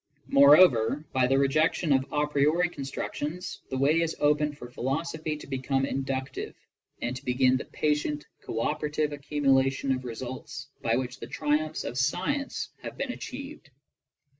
Moreover, by the rejection of a priori constructions the way is opened for philos ophy to become inductive, and to begin the patient cooperative accumulation of results by which the triumphs of science have been achieved.